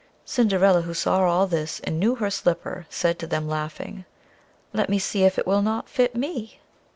Cinderilla, who saw all this, and knew her slipper, said to them laughing: "Let me see if it will not fit me?"